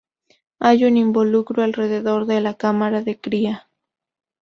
Hay un involucro alrededor de la cámara de cría.